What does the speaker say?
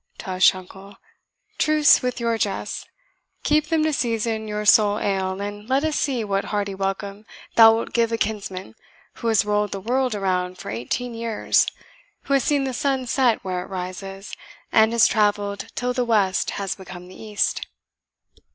"Tush, uncle truce with your jests. Keep them to season your sour ale, and let us see what hearty welcome thou wilt give a kinsman who has rolled the world around for eighteen years; who has seen the sun set where it rises, and has travelled till the west has become the east."